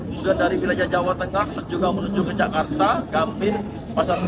kemudian dari wilayah jawa tengah juga menuju ke jakarta gambir pasar dua